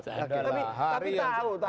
tapi tau tau